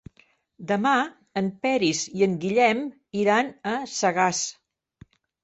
Demà en Peris i en Guillem iran a Sagàs.